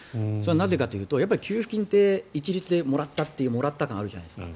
なぜかといいうと給付金って一律でもらったというもらった感があるじゃないですか。